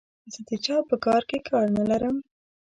زه د چا په کار کې کار نه لرم.